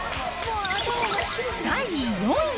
第４位。